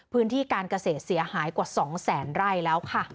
พื้นที่การเกษตรเสียหายกว่า๒แสนไร่แล้วค่ะ